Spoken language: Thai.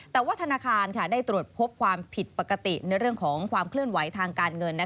แต่ว่าธนาคารได้ตรวจพบความผิดปกติในเรื่องของความเคลื่อนไหวทางการเงิน